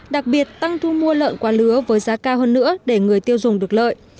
đặc biệt tăng thu mua lợn qua lứa với giá cao hơn nữa để người tiêu dùng được lợi